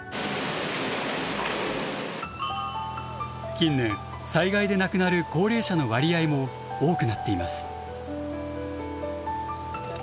近年災害で亡くなる高齢者の割合も多くなっています。